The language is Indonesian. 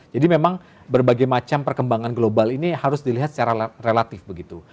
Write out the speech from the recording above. memang berbagai macam perkembangan global ini harus dilihat secara relatif begitu